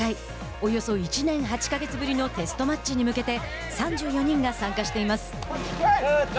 およそ１年８か月ぶりのテストマッチに向けて３４人が参加しています。